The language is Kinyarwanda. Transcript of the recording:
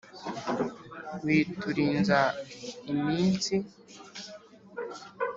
witurinza iminsi.